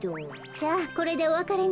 じゃあこれでおわかれね。